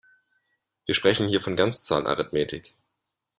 Wir sprechen hier von Ganzzahlarithmetik.